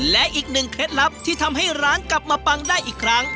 และอีกหนึ่งเคล็ดลับที่ทำให้ร้านกลับมาปังได้อีกครั้ง